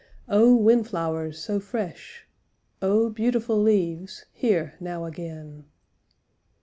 Oh, windflowers so fresh, Oh, beautiful leaves, here now again.